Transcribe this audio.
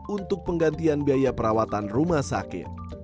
untuk penggantian biaya perawatan rumah sakit